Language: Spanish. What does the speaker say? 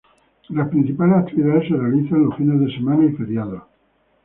Las principales actividades se realizan los fines de semana y feriados.